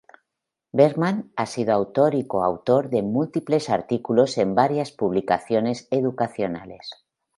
Bergmann ha sido autor y coautor de múltiples artículos en varias publicaciones educacionales.